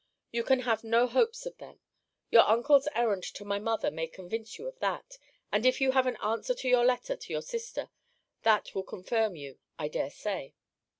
You can have no hopes of them. Your uncle's errand to my mother may convince you of that; and if you have an answer to your letter to your sister, that will confirm you, I dare say.